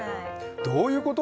どういうこと？